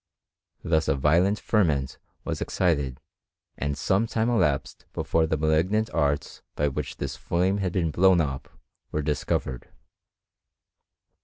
Thus a violent ferment was ex cited, and some time elapsed before the malignant arts by which this flame had been blown, up were dis covered.